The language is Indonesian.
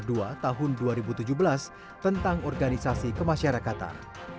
tahun dua tahun dua ribu tujuh belas tentang organisasi kemasyarakatan